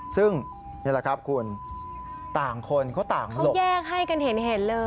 ซึ่งนี่แหละครับคุณต่างคนเขาต่างแยกให้กันเห็นเลย